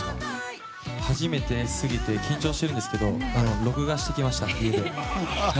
初めてすぎて緊張してるんですけど録画してきました、家で。